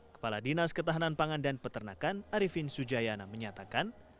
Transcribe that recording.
kepala dinas ketahanan pangan dan peternakan arifin sujayana menyatakan